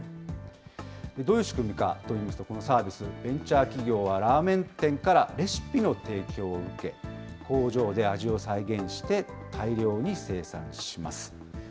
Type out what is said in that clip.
どういう仕組みかといいますと、このサービス、ベンチャー企業はラーメン店からレシピの提供を受け、工場で味を再現して大量に生産します。